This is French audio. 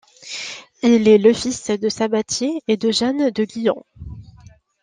Il est le fils de Sabatier et de Jeanne de Guyon.